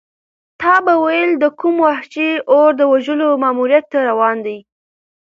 تا به ویل د کوم وحشي اور د وژلو ماموریت ته روان دی.